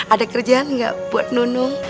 ada kerjaan nggak buat nunung